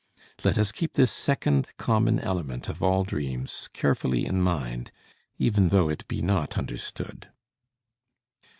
Let us keep this second common element of all dreams carefully in mind, even though it be not understood.